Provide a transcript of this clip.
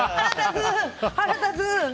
腹立つ！